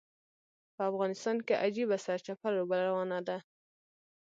په افغانستان کې عجیبه سرچپه لوبه روانه ده.